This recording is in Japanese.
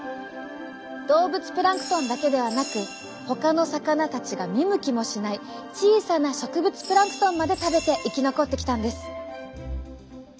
動物プランクトンだけではなくほかの魚たちが見向きもしない小さな植物プランクトンまで食べて生き残ってきたんです。